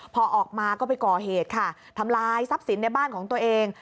พอออกมาก็ไปก่อเหตุค่ะทำลายทรัพย์สินในบ้านของตัวเอง